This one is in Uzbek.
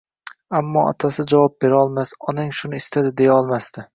Ammo otasi javob berolmas, Onang shuni istadi, deyolmasdi